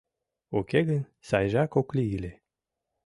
Уке гын сайжак ок лий ыле.